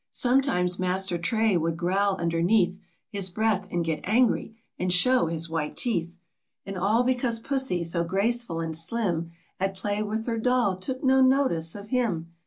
Sometimes Master Tray would growl underneath H is breath, and get angry, and show his white teeth, 259 ."v DAME TROT AND HER COMICAL CAT. And all because Pussy, so graceful and slim, At play with her doll, took no notice of him.